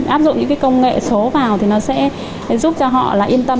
áp dụng những công nghệ số vào thì nó sẽ giúp cho họ yên tâm